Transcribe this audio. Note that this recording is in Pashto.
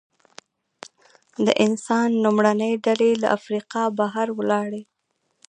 د انسان لومړنۍ ډلې له افریقا بهر ولاړې.